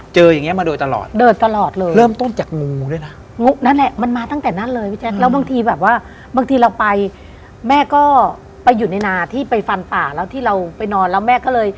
เจออย่างนี้มันมาโดยตลอด